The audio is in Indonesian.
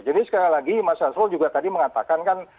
jadi sekali lagi mas arsul juga tadi mengatakan kan